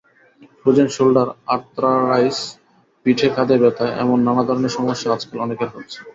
Frozen shoulder, arthritis, পিঠে কাঁধে ব্যথা—এমন নানা ধরনের সমস্যা আজকাল অনেকের হচ্ছে।